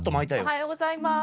おはようございます。